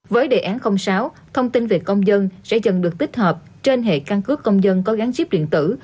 với đề án sáu thông tin về công dân sẽ dần được tích hợp trên hệ căn cứ công dân có gắn chip điện tử